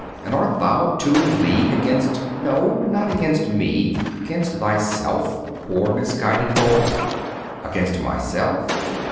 and art thou too in league against no, not against me; against thyself, poor misguided boy?' 'Against myself?